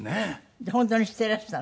本当にしていらしたの？